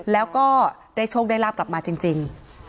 แล้วก็ได้โชคได้ลาบกลับมาจริง